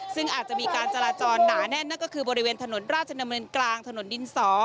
ซึ่งอาจจะมีการจราจรหนาแน่นนั่นก็คือบริเวณถนนราชดำเนินกลางถนนดินสอ